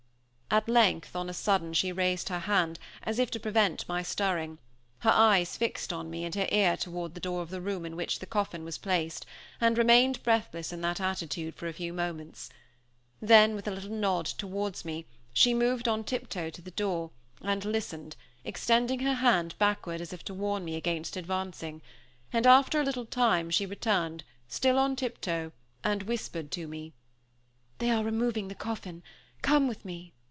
At length, on a sudden, she raised her hand, as if to prevent my stirring, her eyes fixed on me and her ear toward the door of the room in which the coffin was placed, and remained breathless in that attitude for a few moments. Then, with a little nod towards me, she moved on tip toe to the door, and listened, extending her hand backward as if to warn me against advancing; and, after a little time, she returned, still on tip toe, and whispered to me, "They are removing the coffin come with me."